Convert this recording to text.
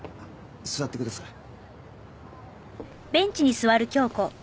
座ってください。